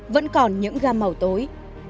vẫn còn những gam màu tối